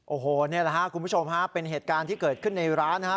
โอ้โหนี่แหละครับคุณผู้ชมฮะเป็นเหตุการณ์ที่เกิดขึ้นในร้านนะครับ